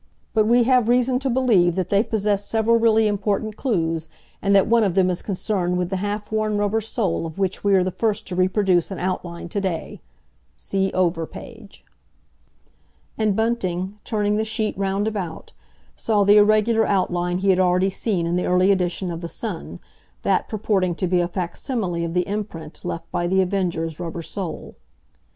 But we have reason to believe that they possess several really important clues, and that one of them is concerned with the half worn rubber sole of which we are the first to reproduce an outline to day. (See over page.)" And Bunting, turning the sheet round about, saw the irregular outline he had already seen in the early edition of the Sun, that purporting to be a facsimile of the imprint left by The Avenger's rubber sole.